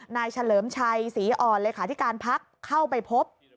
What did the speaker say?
นายเฉลิมชัยศรีอร์เลยค่ะที่การพักเข้าไปพบ